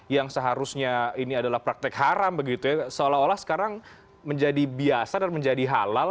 yang seharusnya ini adalah praktik haram seolah olah sekarang menjadi biasa dan menjadi halal